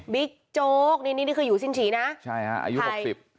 โจ๊กนี่นี่นี่คืออยู่สิ้นฉีนะใช่ฮะอายุหกสิบ